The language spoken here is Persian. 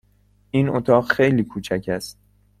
این اتاق خیلی کوچک است.